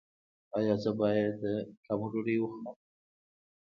ایا زه باید کمه ډوډۍ وخورم؟